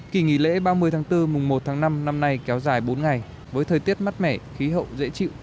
kỳ nghỉ lễ ba mươi tháng bốn mùng một tháng năm năm nay kéo dài bốn ngày với thời tiết mát mẻ khí hậu dễ chịu